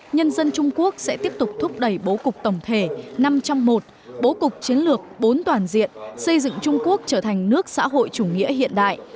nhân dân trung quốc sẽ tiếp tục thúc đẩy bố cục tổng thể năm trong một bố cục chiến lược bốn toàn diện xây dựng trung quốc trở thành nước xã hội chủ nghĩa hiện đại